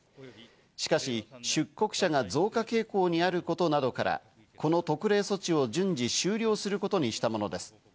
しかし出国者が増加傾向にあることなどから、この特例措置を順次、終了することにしたものです。